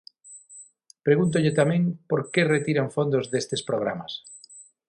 Pregúntolle tamén por que retiran fondos destes programas.